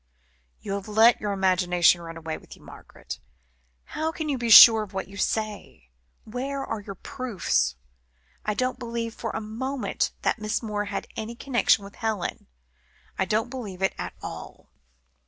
"You have let your imagination run away with you, Margaret. How can you be sure of what you say? Where are your proofs? I don't believe for a moment, that Miss Moore had any connection with Helen. I don't believe it at all."